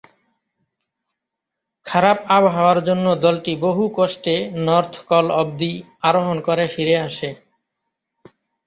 খারাপ আবহাওয়ার জন্য দলটি বহু কষ্টে নর্থ কল অব্দি আরোহণ করে ফিরে আসে।